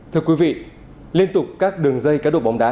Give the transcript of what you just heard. thưa quý vị liên tục các đường dây cá độ bóng đá